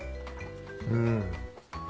うん。